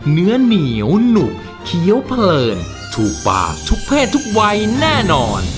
เนื้อเหนียวหนุบเคี้ยวเผลินถูกปลาถูกแพร่ถูกไวแน่นอน